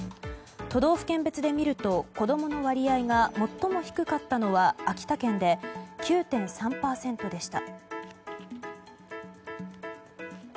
都道府県別で見ると子供の割合が最も低かったのは秋田県で９．３％でした。